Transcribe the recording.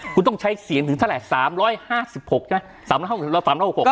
คุณต้องใช้เสียงถึงเท่าไหร่๓๕๖ใช่ไหม๓๕๖เรา๓๖๖